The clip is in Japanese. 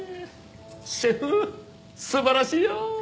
シェフ素晴らしいよ！